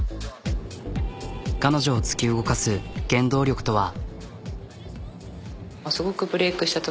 彼女を突き動かす原動力とは？